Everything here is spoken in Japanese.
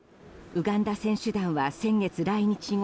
ウガンダ選手団は先月来日後